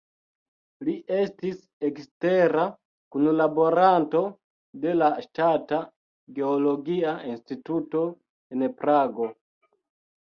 Li estis ekstera kunlaboranto de la Ŝtata Geologia Instituto en Prago.